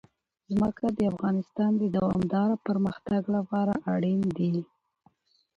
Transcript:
ځمکه د افغانستان د دوامداره پرمختګ لپاره اړین دي.